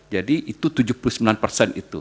jadi itu tujuh puluh sembilan itu